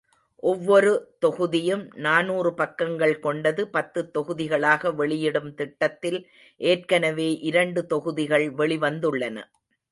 ஒவ்வொரு தொகுதியும் நாநூறு பக்கங்கள் கொண்ட பத்து தொகுதிகளாக வெளியிடும் திட்டத்தில் ஏற்கனவே இரண்டு தொகுதிகள் வெளிவந்துள்ளன.